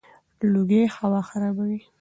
لوګي هوا خرابوي.